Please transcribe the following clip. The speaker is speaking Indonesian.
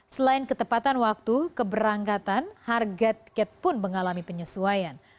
selain ketepatan waktu keberangkatan harga tiket pun mengalami penyesuaian